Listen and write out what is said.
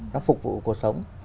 nó phục vụ cuộc sống